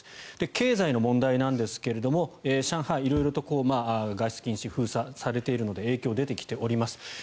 経済の問題ですが上海、色々と外出禁止、封鎖されているので影響が出てきています。